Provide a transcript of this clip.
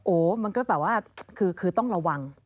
มันก็แบบว่าคือต้องระวัง